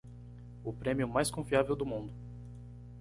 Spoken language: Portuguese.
O prêmio mais confiável do mundo